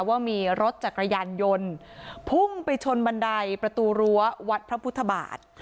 ว่ามีรถจักรยานยนต์พุ่งไปชนบันไดประตูรั้ววัดพระพุทธบาท